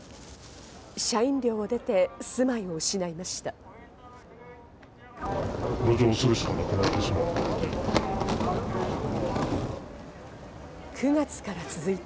社員寮を出て、住まいを失いました。